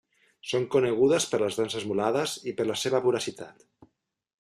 Són conegudes per les dents esmolades i per la seva voracitat.